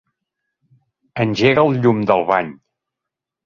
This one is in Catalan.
Engega el llum del bany.